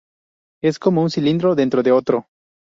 Es como un cilindro dentro de otro.